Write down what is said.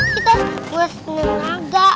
kita buas tenaga